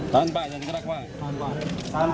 tahan pak jangan gerak pak